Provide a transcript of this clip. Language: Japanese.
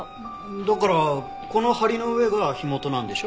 だからこの梁の上が火元なんでしょ？